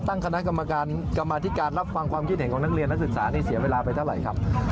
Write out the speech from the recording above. ตั้งคณะกรรมการกรรมธิการรับฟังความคิดเห็นของนักเรียนนักศึกษานี่เสียเวลาไปเท่าไหร่ครับ